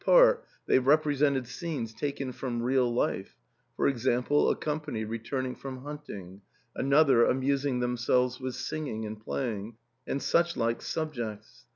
342 ARTHUR'S HALL they represented scenes taken from real life ; for ex ample, a company returning from hunting, another amusing themselves with singing and playing, and such like subjects.